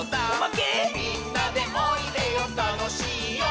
「みんなでおいでよたのしいよ」